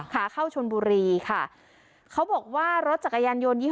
ขาเข้าชนบุรีค่ะเขาบอกว่ารถจักรยานยนยี่ห